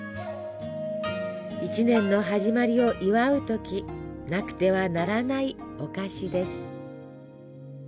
一年の始まりを祝う時なくてはならないお菓子です。